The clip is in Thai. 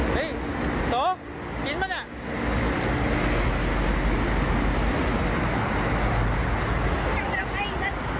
ไปปูอัดไหม